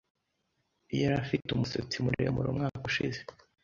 Yari afite umusatsi muremure umwaka ushize.